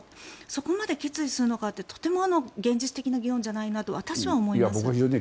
そこまで決意するのかってとても現実的な議論じゃないなと思います。